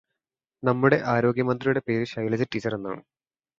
നമ്മുടെ ആരോഗ്യമന്ത്രിയുടെ പേര് ഷൈലജ റ്റീച്ചർ എന്നാണ്.